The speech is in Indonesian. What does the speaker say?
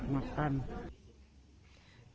pihak polrestabes sendiri